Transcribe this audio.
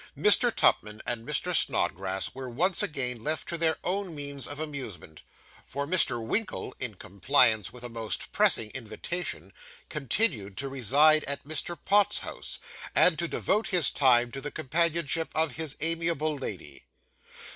Mr. Tupman and Mr. Snodgrass were once again left to their own means of amusement; for Mr. Winkle, in compliance with a most pressing invitation, continued to reside at Mr. Pott's house, and to devote his time to the companionship of his amiable lady.